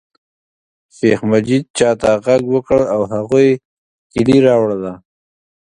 شیخ مجید چاته غږ وکړ او هغوی کیلي راوړله.